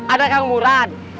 ada kang murad